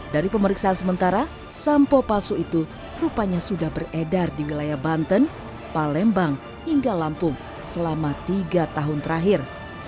dari pemeriksaan sementara sampo palsu itu rupanya sudah beredar di wilayah banten palembang hingga lampung selama tiga tahun terakhir